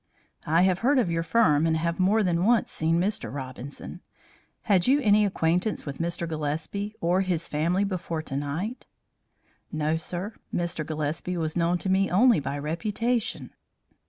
"I have heard of your firm and have more than once seen Mr. Robinson. Had you any acquaintance with Mr. Gillespie or his family before to night?" "No, sir; Mr. Gillespie was known to me only by reputation."